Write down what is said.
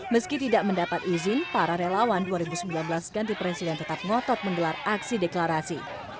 meski tidak mendapat izin para relawan dua ribu sembilan belas ganti presiden tetap ngotot menggelar aksi deklarasi